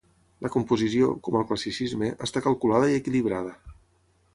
La composició, com al classicisme, està calculada i equilibrada.